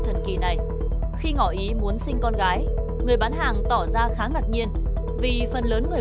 thế cái này cũng phải tính toán ngày hả mọi người